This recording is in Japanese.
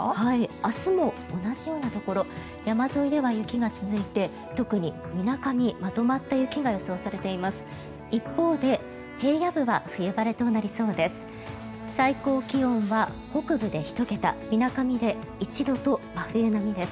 明日も同じようなところ山沿いでは雪が続いて特にみなかみ、まとまった雪が予想されています。